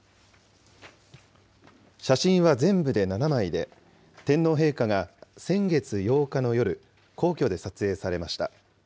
写真は全部で７枚で、天皇陛下が先月８日の夜、皇居で撮影されました。